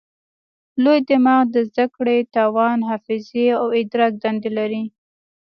لوی دماغ د زده کړې، توان، حافظې او ادراک دندې لري.